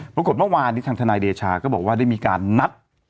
ปรากฏเมื่อวานนี้ทางทนายเดชาก็บอกว่าได้มีการนัด